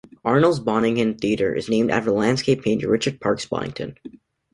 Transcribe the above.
Arnold's Bonington Theatre is named after the landscape painter Richard Parkes Bonington.